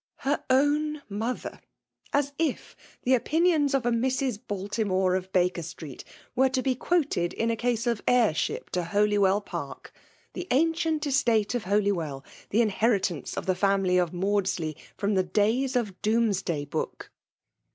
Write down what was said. *'." Her oicn mother !"— As if the opinions of a Mrs. Baltimore of Baker street were to be quoted in a case of heirship to Holywell Park; the ancient estate of Holywell, — the inherit ance of the family of Maudsley, from the days of Domesday book